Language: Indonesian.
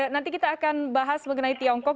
nanti kita akan bahas mengenai tiongkok